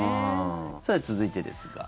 さて、続いてですが。